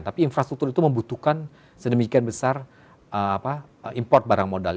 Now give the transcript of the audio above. tapi infrastruktur itu membutuhkan sedemikian besar import barang modal